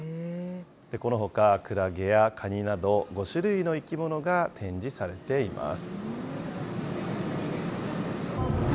このほか、クラゲやカニなど、５種類の生き物が展示されています。